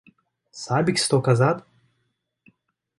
Sabe que estou casado?